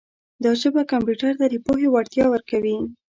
دا ژبه کمپیوټر ته د پوهې وړتیا ورکوي.